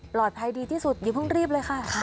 ดีที่สุดอย่าเพิ่งรีบเลยค่ะ